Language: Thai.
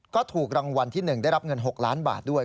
ก็ถูกรางวัลที่๑ได้รับเงิน๖ล้านบาทด้วย